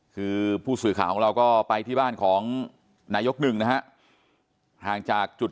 คือผู้สื่อข่าวของเราก็ไปที่บ้านของนายกหนึ่งนะฮะห่างจากจุด